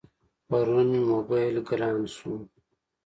پرون مې موبایل گران شو.